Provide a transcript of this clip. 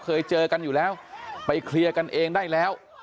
เคยเจอกันอยู่แล้วไปเคลียร์กันเองได้แล้ว